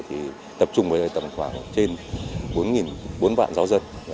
thì tập trung với tầm khoảng trên bốn bốn vạn giáo dân